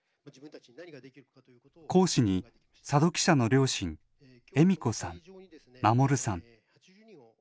講師に佐戸記者の両親恵美子さん守さん。